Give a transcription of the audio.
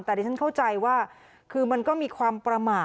แต่ดิฉันเข้าใจว่าคือมันก็มีความประมาท